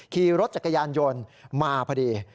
ขี่รถจักรยานยนต์มาพอดี